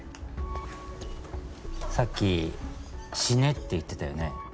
さっき「死ね」って言ってたよね。